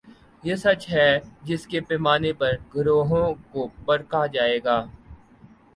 یہ سچ ہے جس کے پیمانے پر گروہوں کو پرکھا جائے گا۔